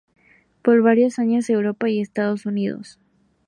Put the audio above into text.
Pasó varios años en Europa y Estados Unidos.